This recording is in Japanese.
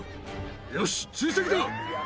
よし、追跡だ。